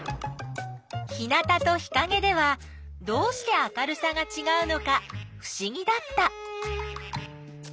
日なたと日かげではどうして明るさがちがうのかふしぎだった。